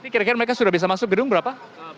kira kira mereka sudah bisa masuk gedung berapa